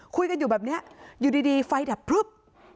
คุยกันอยู่แบบนี้อยู่ดีไฟดับพลึบ